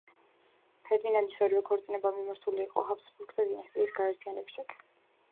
ფერდინანდის ორივე ქორწინება მიმართული იყო ჰაბსბურგთა დინასტიის გაერთიანებისაკენ.